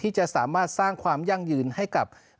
จะสามารถสร้างความยั่งยืนให้กับ